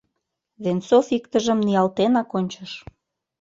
Венцов иктыжым ниялтенак ончыш.